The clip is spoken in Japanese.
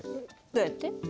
どうやって？